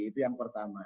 itu yang pertama